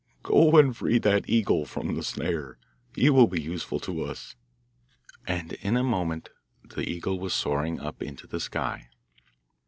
'Go and free that eagle from the snare; he will be useful to us; ' and in a moment the eagle was soaring up into the sky.